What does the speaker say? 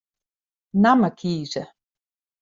Namme kieze.